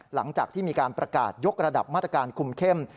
หลังจากที่มีการประกาศยกระดับมาตรการคุมเข้ม